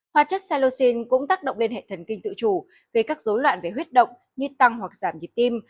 hóa chất salosin cũng tác động lên hệ thần kinh tự chủ gây các dối loạn về huyết động như tăng hoặc giảm nhịp tim